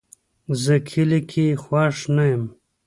زه کلي کې خوښ نه یم